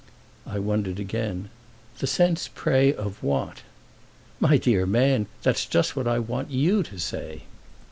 I wondered again. "The sense, pray, of want?" "My dear man, that's just what I want you to say!"